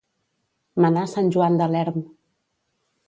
Menar sant Joan de l'Erm.